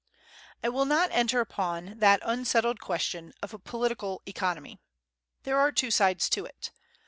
I will not enter upon that unsettled question of political economy. There are two sides to it.